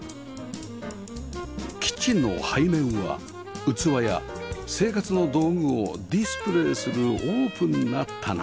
キッチンの背面は器や生活の道具をディスプレーするオープンな棚